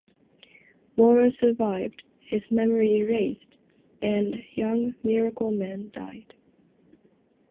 Moran survived, his memory erased, and Young Miracleman died.